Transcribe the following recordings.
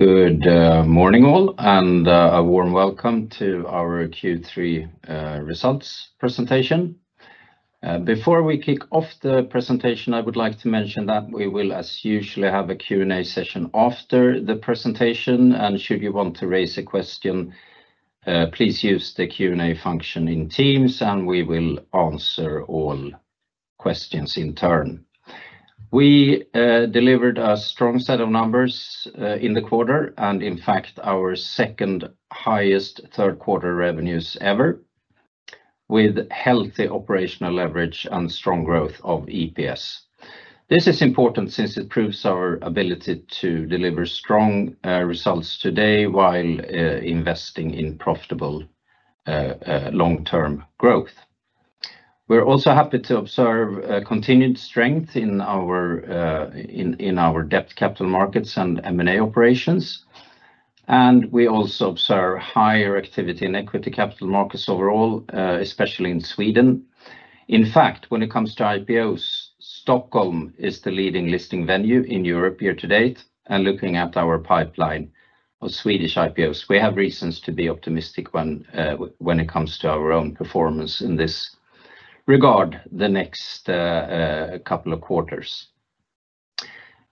Good morning all, and a warm welcome to our Q3 results presentation. Before we kick off the presentation, I would like to mention that we will, as usual, have a Q&A session after the presentation. Should you want to raise a question, please use the Q&A function in Teams, and we will answer all questions in turn. We delivered a strong set of numbers in the quarter and, in fact, our second highest third-quarter revenues ever, with healthy operational leverage and strong growth of EPS. This is important since it proves our ability to deliver strong results today while investing in profitable long-term growth. We're also happy to observe continued strength in our debt capital markets and M&A operations. We also observe higher activity in equity capital markets overall, especially in Sweden. In fact, when it comes to IPOs, Stockholm is the leading listing venue in Europe year to date. Looking at our pipeline of Swedish IPOs, we have reasons to be optimistic when it comes to our own performance in this regard the next couple of quarters.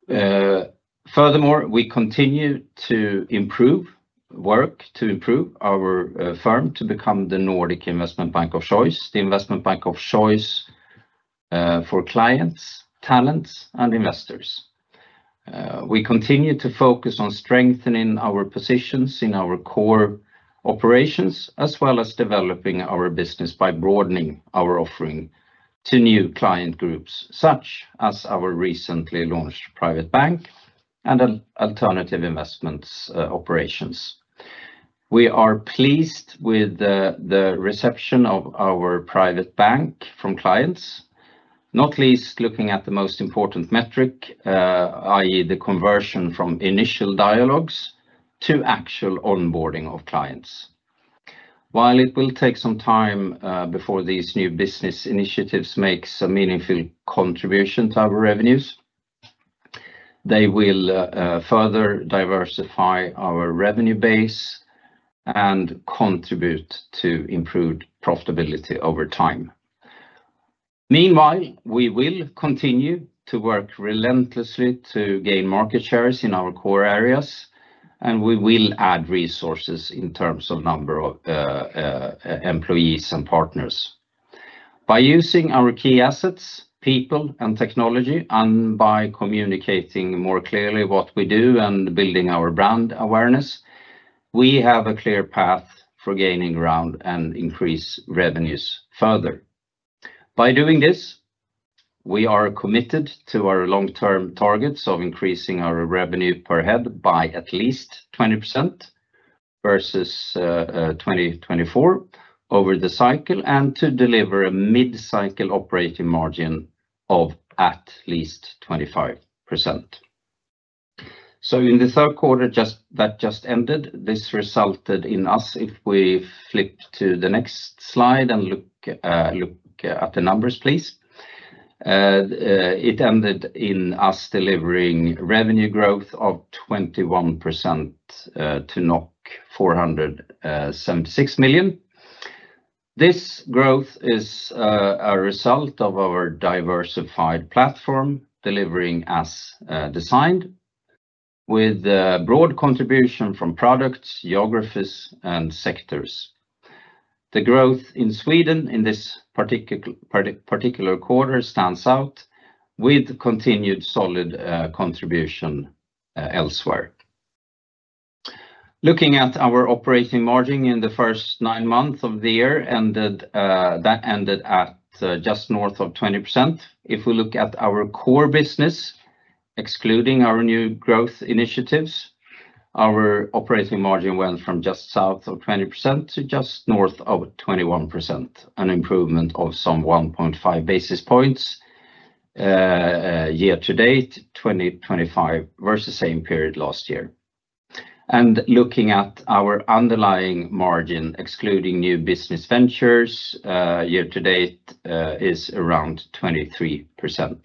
Furthermore, we continue to work to improve our firm to become the Nordic Investment Bank of Choice, the investment bank of choice for clients, talents, and investors. We continue to focus on strengthening our positions in our core operations, as well as developing our business by broadening our offering to new client groups, such as our recently launched Private Banking and Alternatives Investments operations. We are pleased with the reception of our Private Banking from clients, not least looking at the most important metric, i.e., the conversion from initial dialogues to actual onboarding of clients. While it will take some time before these new business initiatives make some meaningful contributions to our revenues, they will further diversify our revenue base and contribute to improved profitability over time. Meanwhile, we will continue to work relentlessly to gain market shares in our core areas, and we will add resources in terms of the number of employees and partners. By using our key assets, people, and technology, and by communicating more clearly what we do and building our brand awareness, we have a clear path for gaining ground and increasing revenues further. By doing this, we are committed to our long-term targets of increasing our revenue per head by at least 20% versus 2024 over the cycle and to deliver a mid-cycle operating margin of at least 25%. In the third quarter that just ended, this resulted in us, if we flip to the next slide and look at the numbers, please. It ended in us delivering revenue growth of 21% to 476 million. This growth is a result of our diversified platform delivering as designed, with a broad contribution from products, geographies, and sectors. The growth in Sweden in this particular quarter stands out, with continued solid contribution elsewhere. Looking at our operating margin in the first nine months of the year, that ended at just north of 20%. If we look at our core business, excluding our new growth initiatives, our operating margin went from just south of 20% to just north of 21%, an improvement of some 1.5 basis points year to date, 2025 versus the same period last year. Looking at our underlying margin, excluding new business ventures, year to date is around 23%.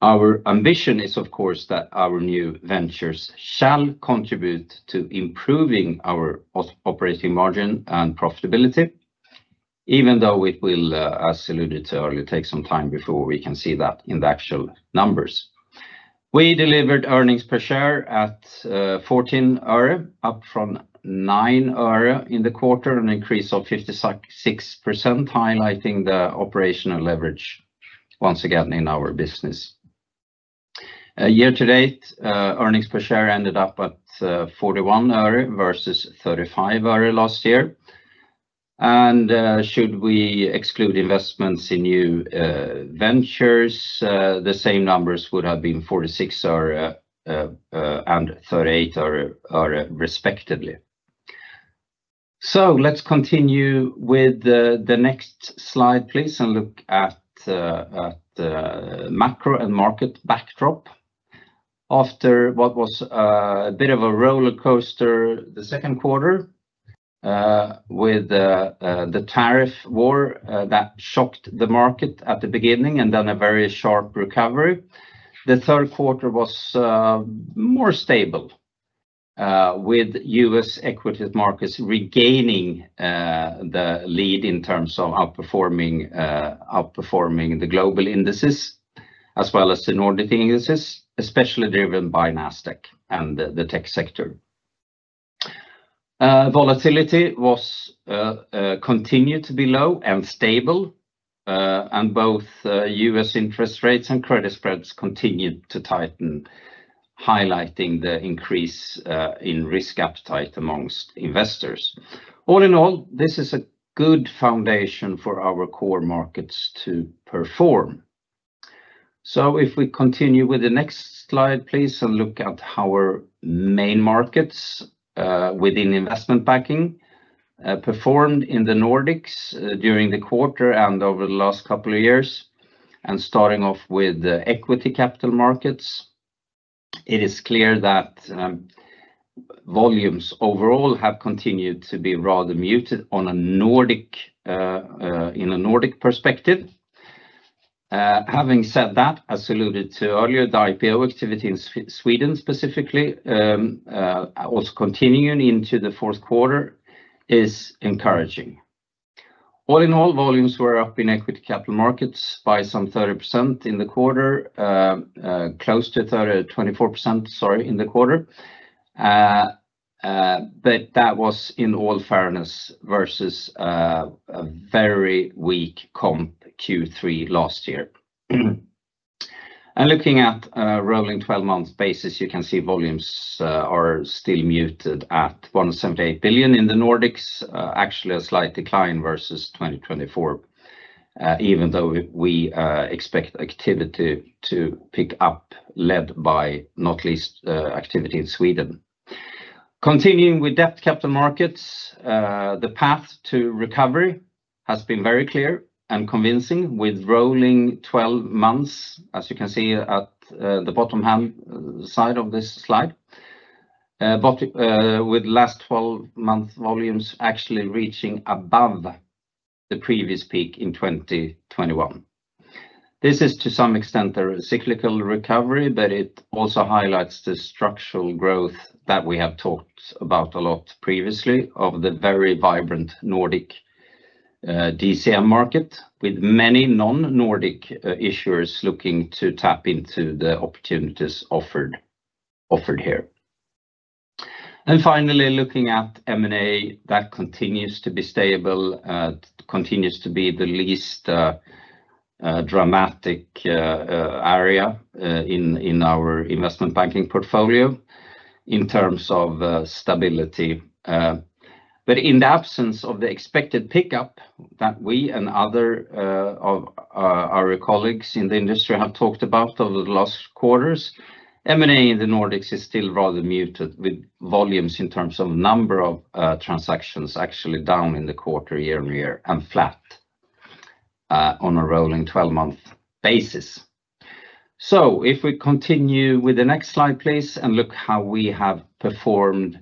Our ambition is, of course, that our new ventures shall contribute to improving our operating margin and profitability, even though it will, as alluded to earlier, take some time before we can see that in the actual numbers. We delivered earnings per share at 14 euro, up from 9 euro in the quarter, an increase of 56%, highlighting the operational leverage once again in our business. Year to date, earnings per share ended up at 41 versus 35 last year. Should we exclude investments in new ventures, the same numbers would have been 46 and 38 respectively. Let's continue with the next slide, please, and look at macro and market backdrop. After what was a bit of a roller coaster the second quarter, with the tariff war that shocked the market at the beginning and then a very sharp recovery, the third quarter was more stable, with U.S. equities markets regaining the lead in terms of outperforming the global indices, as well as the Nordic indices, especially driven by Nasdaq and the tech sector. Volatility continued to be low and stable, and both U.S. interest rates and credit spreads continued to tighten, highlighting the increase in risk appetite amongst investors. All in all, this is a good foundation for our core markets to perform. If we continue with the next slide, please, and look at our main markets within investment banking, performed in the Nordics during the quarter and over the last couple of years, and starting off with equity capital markets, it is clear that volumes overall have continued to be rather muted in a Nordic perspective. Having said that, as alluded to earlier, the IPO activity in Sweden specifically, also continuing into the fourth quarter, is encouraging. All in all, volumes were up in equity capital markets by some 30% in the quarter, close to 24%, sorry, in the quarter. That was in all fairness versus a very weak comp Q3 last year. Looking at a rolling 12-month basis, you can see volumes are still muted at 178 billion in the Nordics, actually a slight decline versus 2023, even though we expect activity to pick up, led by not least activity in Sweden. Continuing with debt capital markets, the path to recovery has been very clear and convincing with rolling 12 months, as you can see at the bottom-hand side of this slide, with the last 12 months volumes actually reaching above the previous peak in 2021. This is to some extent a cyclical recovery, but it also highlights the structural growth that we have talked about a lot previously of the very vibrant Nordic DCM market, with many non-Nordic issuers looking to tap into the opportunities offered here. Finally, looking at M&A, that continues to be stable, continues to be the least dramatic area in our investment banking portfolio in terms of stability. In the absence of the expected pickup that we and other of our colleagues in the industry have talked about over the last quarters, M&A in the Nordics is still rather muted with volumes in terms of the number of transactions actually down in the quarter year on year and flat on a rolling 12-month basis. If we continue with the next slide, please, and look how we have performed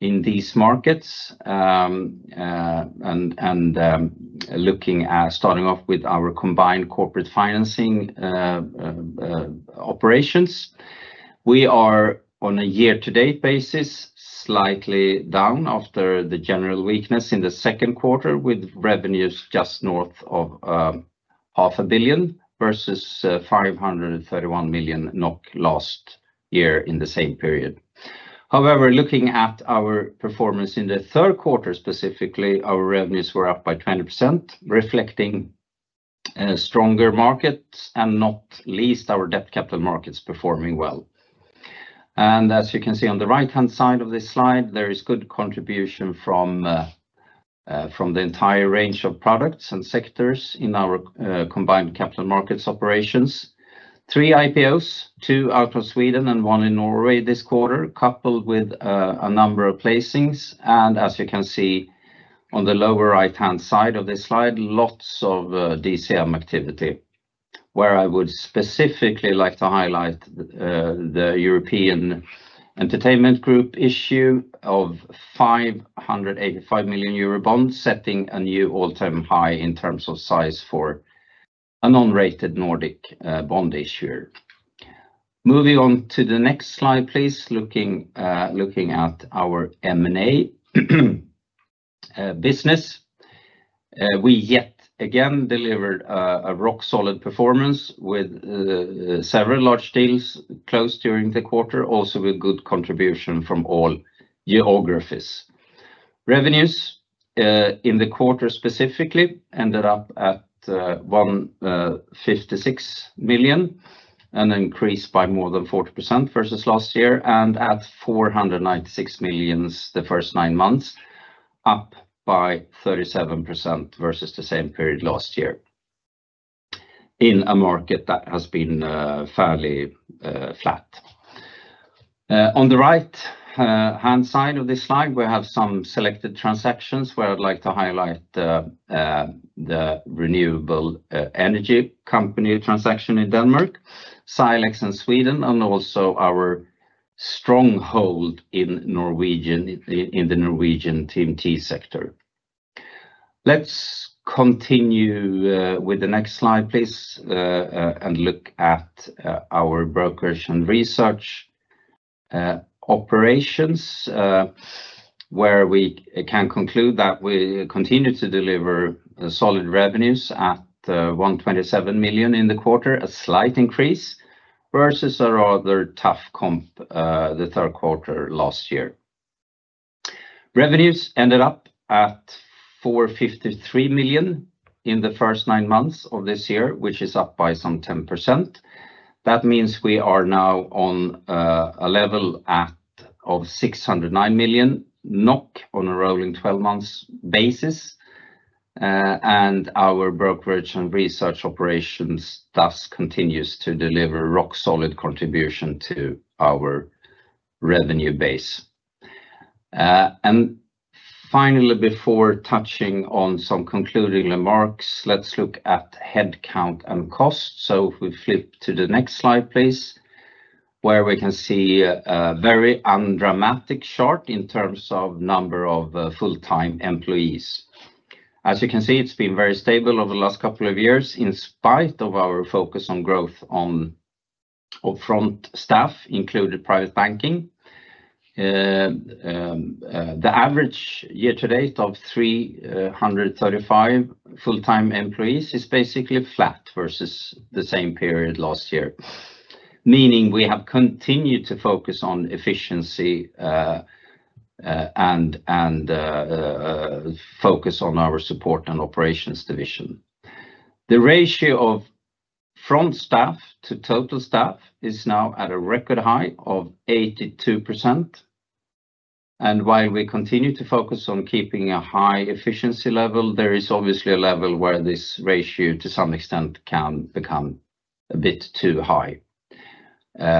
in these markets, and looking at starting off with our combined corporate financing operations, we are on a year-to-date basis slightly down after the general weakness in the second quarter with revenues just north of 0.5 billion versus 531 million NOK last year in the same period. However, looking at our performance in the third quarter specifically, our revenues were up by 20%, reflecting stronger markets and not least our debt capital markets performing well. As you can see on the right-hand side of this slide, there is good contribution from the entire range of products and sectors in our combined capital markets operations. Three IPOs, two out of Sweden and one in Norway this quarter, coupled with a number of placings. As you can see on the lower right-hand side of this slide, lots of debt capital markets activity, where I would specifically like to highlight the European entertainment group issue of 585 million euro bonds, setting a new all-time high in terms of size for a non-rated Nordic bond issuer. Moving on to the next slide, please, looking at our M&A business. We yet again delivered a rock-solid performance with several large deals closed during the quarter, also with good contribution from all geographies. Revenues in the quarter specifically ended up at 156 million, an increase by more than 40% versus last year, and at 496 million the first nine months, up by 37% versus the same period last year in a market that has been fairly flat. On the right-hand side of this slide, we have some selected transactions where I'd like to highlight the renewable energy company transaction in Denmark, Silex in Sweden, and also our stronghold in the Norwegian TMT sector. Let's continue with the next slide, please, and look at our Brokerage and Research operations, where we can conclude that we continue to deliver solid revenues at 127 million in the quarter, a slight increase versus a rather tough comp the third quarter last year. Revenues ended up at 453 million in the first nine months of this year, which is up by some 10%. That means we are now on a level of 609 million NOK on a rolling 12-month basis. Our Brokerage and Research operations thus continue to deliver rock-solid contribution to our revenue base. Finally, before touching on some concluding remarks, let's look at headcount and costs. If we flip to the next slide, please, we can see a very undramatic chart in terms of the number of full-time employees. As you can see, it's been very stable over the last couple of years in spite of our focus on growth on upfront staff, including Private Banking. The average year-to-date of 335 full-time employees is basically flat versus the same period last year, meaning we have continued to focus on efficiency and focus on our support and operations division. The ratio of front staff to total staff is now at a record high of 82%. While we continue to focus on keeping a high efficiency level, there is obviously a level where this ratio to some extent can become a bit too high,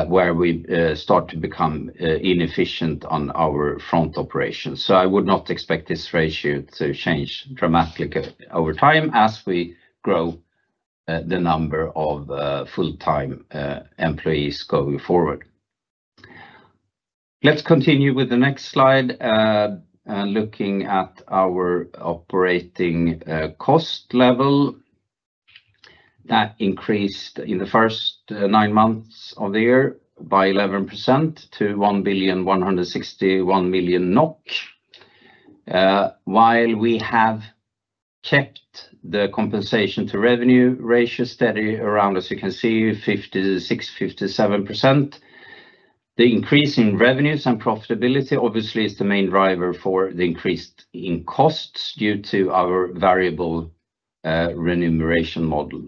where we start to become inefficient on our front operations. I would not expect this ratio to change dramatically over time as we grow the number of full-time employees going forward. Let's continue with the next slide, looking at our operating cost level that increased in the first nine months of the year by 11% to 1,161 million NOK, while we have kept the compensation to revenue ratio steady around, as you can see, 56%, 57%. The increase in revenues and profitability obviously is the main driver for the increase in costs due to our variable remuneration model.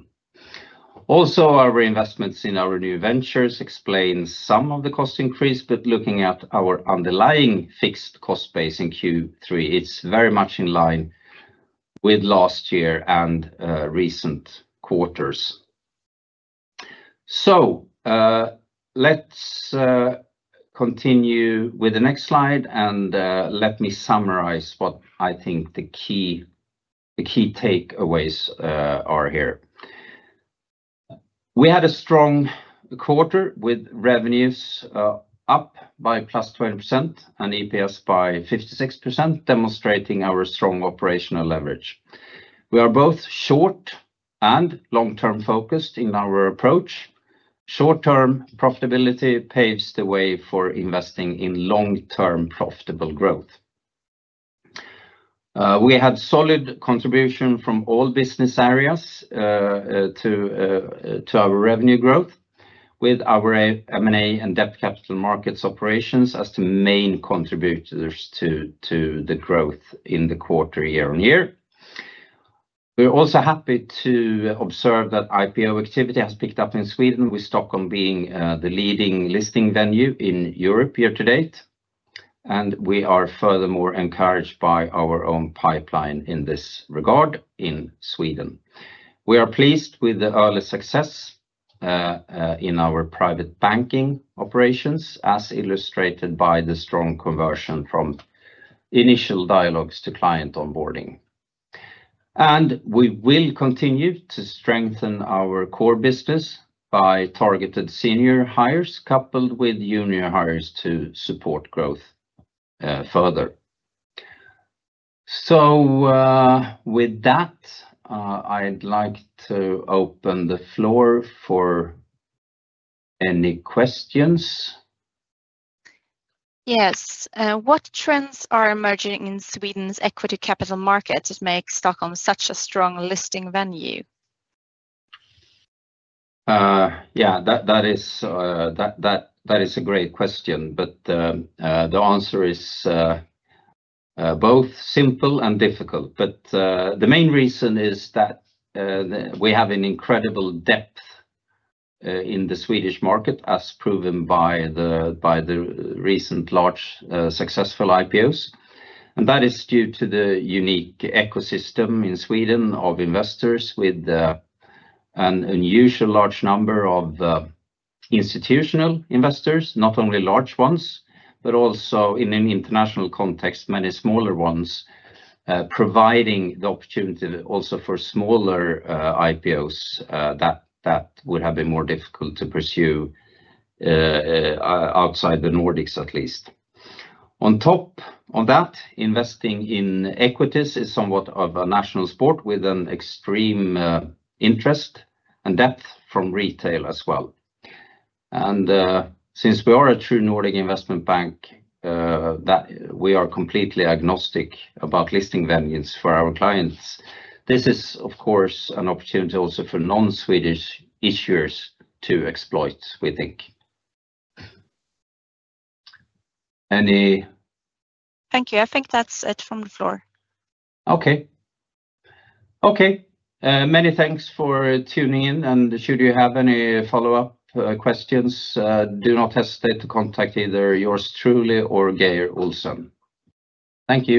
Also, our investments in our new ventures explain some of the cost increase, but looking at our underlying fixed cost base in Q3, it's very much in line with last year and recent quarters. Let's continue with the next slide, and let me summarize what I think the key takeaways are here. We had a strong quarter with revenues up by +20% and EPS by 56%, demonstrating our strong operational leverage. We are both short and long-term focused in our approach. Short-term profitability paves the way for investing in long-term profitable growth. We had solid contribution from all business areas to our revenue growth, with our M&A and debt capital markets operations as the main contributors to the growth in the quarter year on year. We are also happy to observe that IPO activity has picked up in Sweden, with Stockholm being the leading listing venue in Europe year to date. We are furthermore encouraged by our own pipeline in this regard in Sweden. We are pleased with the early success in our Private Banking operations, as illustrated by the strong conversion from initial dialogues to client onboarding. We will continue to strengthen our core business by targeted senior hires, coupled with junior hires to support growth further. With that, I'd like to open the floor for any questions. Yes. What trends are emerging in Sweden's equity capital markets that make Stockholm such a strong listing venue? That is a great question, but the answer is both simple and difficult. The main reason is that we have an incredible depth in the Swedish market, as proven by the recent large successful IPOs. That is due to the unique ecosystem in Sweden of investors with an unusually large number of institutional investors, not only large ones, but also in an international context, many smaller ones, providing the opportunity also for smaller IPOs that would have been more difficult to pursue outside the Nordics, at least. On top of that, investing in equities is somewhat of a national sport with an extreme interest and depth from retail as well. Since we are a true Nordic investment bank, we are completely agnostic about listing venues for our clients. This is, of course, an opportunity also for non-Swedish issuers to exploit, we think. Any? Thank you. I think that's it from the floor. Okay. Okay. Many thanks for tuning in. Should you have any follow-up questions, do not hesitate to contact either yours truly or Geir Olsen. Thank you.